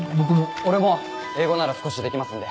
俺も英語なら少しできますんで。